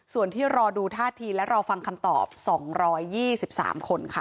ส่วนที่รอดูท่าทีและรอฟังคำตอบ๒๒๓คนค่ะ